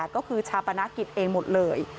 ก็คือชาปนกิจเองหมดเลย